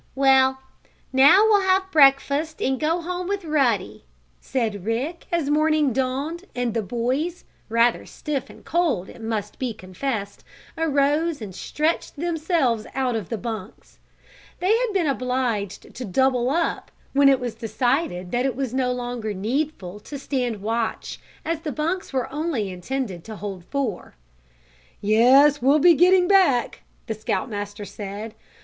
"Well, now we'll have breakfast and go home with Ruddy," said Rick, as morning dawned and the boys, rather stiff and cold it must be confessed, arose and stretched themselves out of the bunks. They had been obliged to "double up" when it was decided that it was no longer needful to stand watch as the bunks were only intended to hold four. "Yes, we'll be getting back," the Scout Master said.